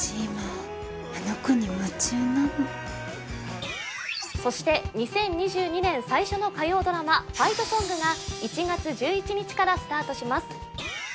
今あの子に夢中なのそして２０２２年最初の火曜ドラマ「ファイトソング」が１月１１日からスタートします